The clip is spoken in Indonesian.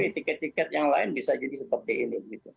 tiket tiket yang lain bisa jadi seperti ini